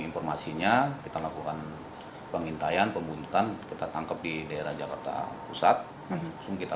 informasinya kita lakukan pengintaian pembuntutan kita tangkap di daerah jakarta pusat langsung kita